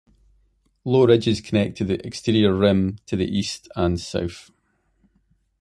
Low ridges connect to the exterior rim to the east and south.